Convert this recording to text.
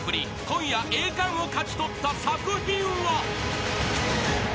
［今夜栄冠を勝ち取った作品は］